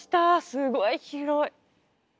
すごい広い。